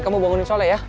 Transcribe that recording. kamu bangunin sholat ya